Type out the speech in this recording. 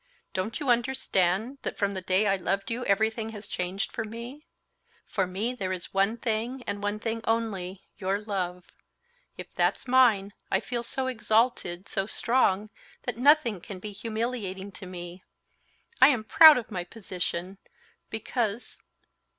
"Don't you understand that from the day I loved you everything has changed for me? For me there is one thing, and one thing only—your love. If that's mine, I feel so exalted, so strong, that nothing can be humiliating to me. I am proud of my position, because